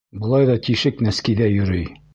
Былай ҙа тишек нәскиҙә йөрөй.